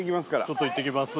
ちょっと行ってきます。